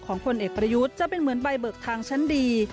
ผลเอกประยุทธ์จะเป็นเหมือนใบเบิกทางชั้นดี